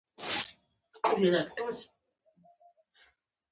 پیاله د همدردۍ نښه ده.